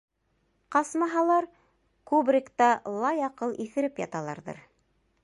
Ҡасмаһалар, кубрикта лаяҡыл иҫереп яталарҙыр.